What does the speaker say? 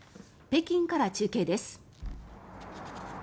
北京から中継です。